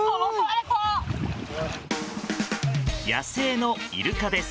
野生のイルカです。